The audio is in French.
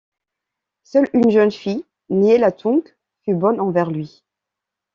Seule une jeune fille, Nyai Latung, fut bonne envers lui.